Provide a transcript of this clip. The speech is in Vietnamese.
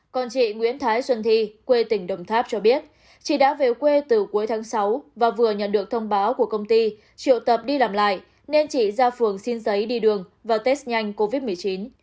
còn chị nguyễn thái xuân thi quê tỉnh đồng tháp cho biết chị đã về quê từ cuối tháng sáu và vừa nhận được thông báo của công ty triệu tập đi làm lại nên chị ra phường xin giấy đi đường vào test nhanh covid một mươi chín